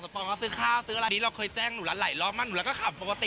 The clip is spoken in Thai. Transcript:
สมปองเขาก็ซื้อข้าวซื้ออะไรดีเราเคยแจ้งหนูรัสไหลรอบมาหนูรัสก็ขับปกติ